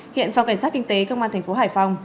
hiện phòng cảnh sát kinh tế công an tp hải phòng